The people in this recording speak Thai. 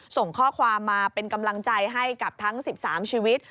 ส่งข้อความมาเป็นกำลังใจให้กับทั้ง๑๓ชีวิต